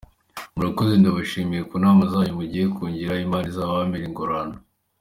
Murakoze ndabashimiye ku nama zanyu mugiye kungira Imana izabampere ingororano.